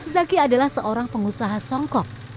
zaki adalah seorang pengusaha songkok